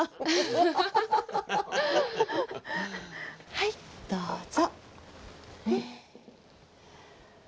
はいどうぞ。